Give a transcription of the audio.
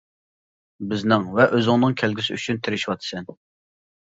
بىزنىڭ ۋە ئۆزۈڭنىڭ كەلگۈسى ئۈچۈن تىرىشىۋاتىسەن.